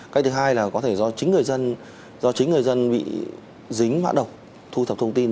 cách thứ hai là có thể do chính người dân bị dính mạng độc thu thập thông tin